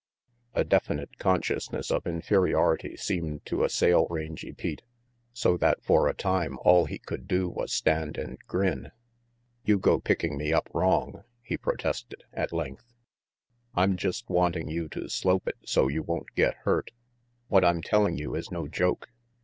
A definite consciousness of inferiority seemed to assail Rangy Pete, so that for a time all he could do was stand and grin. "You go picking me up wrong," he protested, at length. "I'm just wanting you to slope it so you won't get hurt. What I'm telling you is no joke.